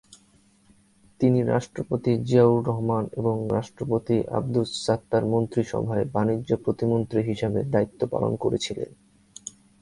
তিনি রাষ্ট্রপতি জিয়াউর রহমান এবং রাষ্ট্রপতি আবদুস সাত্তার মন্ত্রিসভায় বাণিজ্য প্রতিমন্ত্রী হিসাবে দায়িত্ব পালন করেছিলেন।